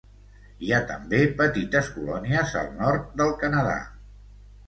Hi ha també petites colònies al nord del Canadà.